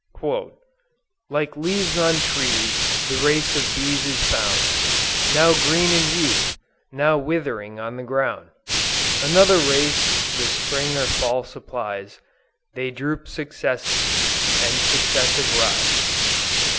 "Like leaves on trees, the race of bees is found, Now green in youth, now withering on the ground; Another race the Spring or Fall supplies, They droop successive, and successive rise."